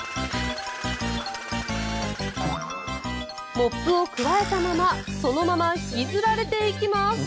モップをくわえたままそのまま引きずられていきます。